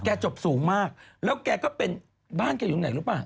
จบสูงมากแล้วแกก็เป็นบ้านแกอยู่ตรงไหนรู้ป่ะ